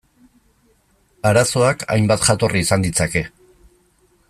Arazoak hainbat jatorri izan ditzake.